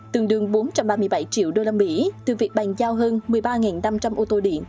tương đương bốn trăm ba mươi bảy triệu usd từ việc bàn giao hơn một mươi ba năm trăm linh ô tô điện